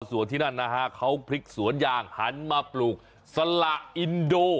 ส่วนที่นั่นนะฮะเขาพลิกสวนยางหันมาปลูกสละอินโด